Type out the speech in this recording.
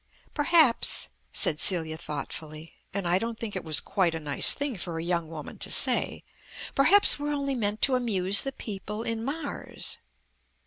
"Perhaps," said Celia thoughtfully, and I don't think it was quite a nice thing for a young woman to say, "perhaps we're only meant to amuse the people in Mars."